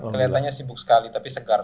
kelihatannya sibuk sekali tapi segar